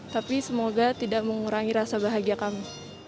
tapi semoga tidak mengurangi rasa bahagia kami